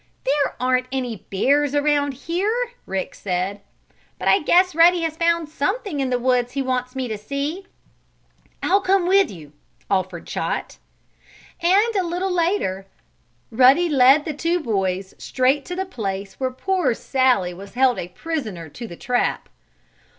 "There aren't any bears around here," Rick said. "But I guess Ruddy has found something in the woods he wants me to see." "I'll come with you," offered Chot. And, a little later, Ruddy led the two boys straight to the place where poor Sallie was held a prisoner in the trap.